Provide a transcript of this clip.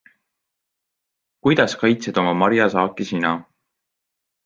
Kuidas kaitsed oma marjasaaki sina?